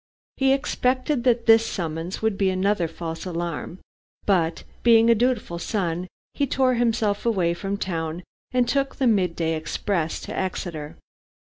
He expected that this summons would be another false alarm, but being a dutiful son, he tore himself away from town and took the mid day express to Exeter.